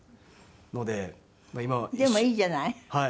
でもいいじゃない。